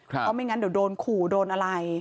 เพราะไม่งั้นเดี๋ยวโดนขู่โดนอะไร